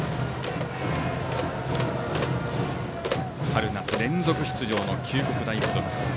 春夏連続出場の九国大付属。